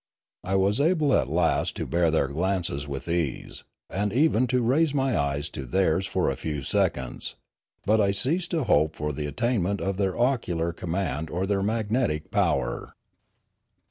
I was able at last to bear their glances with ease, and even to raise my eyes to theirs for a few seconds; but I ceased to hope for the attainment of their ocular com mand or their magnetic power.